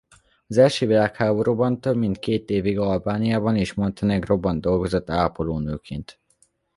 Az első világháborúban több mint két évig Albániában és Montenegróban dolgozott ápolónőként.